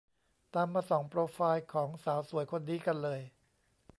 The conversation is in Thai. ตามมาส่องโปรไฟล์ของสาวสวยคนนี้กันเลย